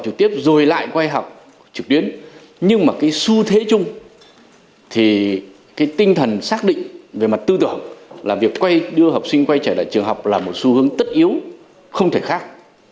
tư tưởng là việc đưa học sinh quay trở lại trường học là một xu hướng tất yếu không thể khác